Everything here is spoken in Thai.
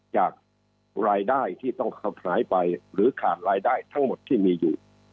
จากรายได้ที่ต้องหายไปหรือขาดรายได้ทั้งหมดที่มีอยู่